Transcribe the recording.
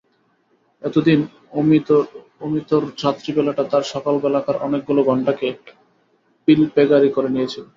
এতদিন অমিতর রাত্রিবেলাটা তার সকলাবেলাকার অনেকগুলো ঘণ্টাকে পিলপেগাড়ি করে নিয়েছিল।